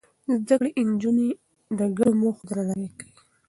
زده کړې نجونې د ګډو موخو درناوی کوي.